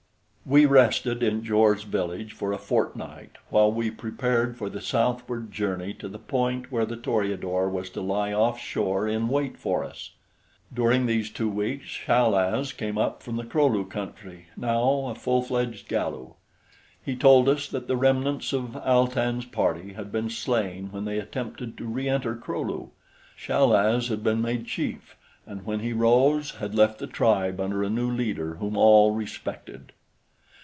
We rested in Jor's village for a fortnight while we prepared for the southward journey to the point where the Toreador was to lie off shore in wait for us. During these two weeks Chal az came up from the Kro lu country, now a full fledged Galu. He told us that the remnants of Al tan's party had been slain when they attempted to re enter Kro lu. Chal az had been made chief, and when he rose, had left the tribe under a new leader whom all respected.